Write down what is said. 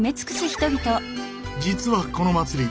実はこの祭り